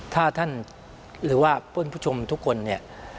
ถ้าท่านหรือว่าเพื่อนผู้ชมทุกคนเนี่ย